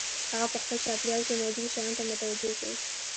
هغه په خپل چاپېريال کې موجودو شيانو ته متوجه شو.